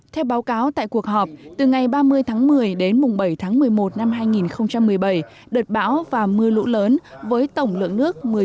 theo báo cáo tại cuộc họp từ ngày ba mươi tháng một mươi đến bảy tháng một mươi một năm hai nghìn một mươi bảy đợt bão và mưa lũ lớn với tổng lượng nước một mươi